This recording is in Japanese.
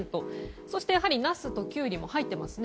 そして、ナスとキュウリも入っていますね。